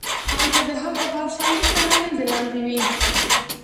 هلته د هغه برخلیک تر اغېز لاندې وي.